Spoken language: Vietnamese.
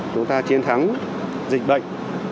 chúng ta chiến thắng dịch bệnh